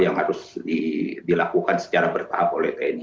yang harus dilakukan secara bertahap oleh tni